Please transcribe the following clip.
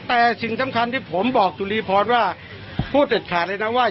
แต่สิ่งสำคัญที่ผมบอกจุรีพรว่าพูดเด็ดขาดเลยนะว่า